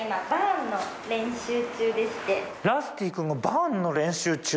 ラスティくんがバーンの練習中？